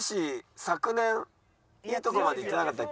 昨年いいとこまでいってなかったっけ？